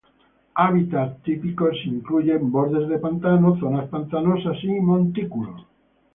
Hábitats típicos incluyen bordes de pantano, zonas pantanosas, y montículos.